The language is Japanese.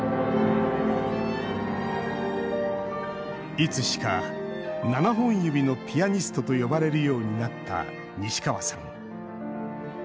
いつしか７本指のピアニストと呼ばれるようになった西川さん。